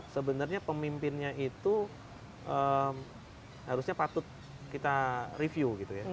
sebenarnya pemimpinnya itu harusnya patut kita review